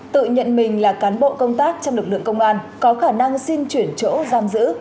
tự nhận mình là cán bộ công tác trong lực lượng công an có khả năng xin chuyển chỗ giam giữ